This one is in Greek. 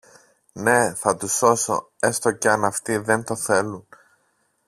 Ναι, θα τους σώσω, έστω και αν αυτοί δεν το θέλουν.